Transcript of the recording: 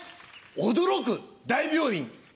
驚く大病院。